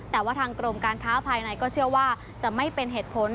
แต่ว่าทางกรมการค้าภายในก็เชื่อว่าจะไม่เป็นเหตุผล